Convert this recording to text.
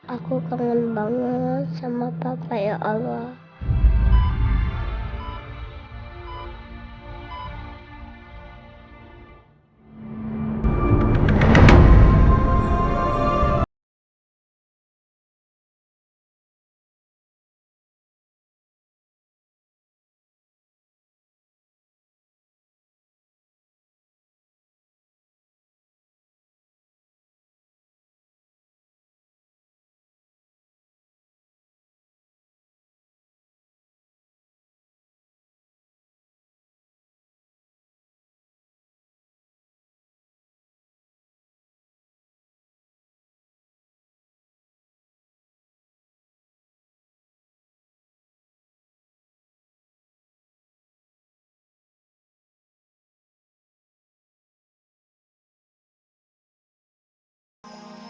aku kangen banget sama papa ya allah